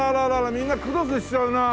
みんなクロスしちゃうなあ。